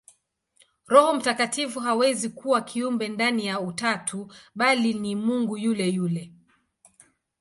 Roho Mtakatifu hawezi kuwa kiumbe ndani ya Utatu, bali ni Mungu yule yule.